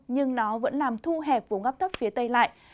nhưng nó vẫn làm thu hẹp vùng áp thấp phía tây lại